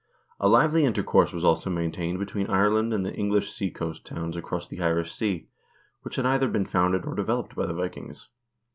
A lively intercourse was also maintained between Ireland and the English seacoast towns across the Irish Sea, which had either been founded or developed by the Vikings.